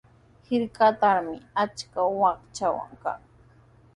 Hirkatrawmi achka wachwa kan.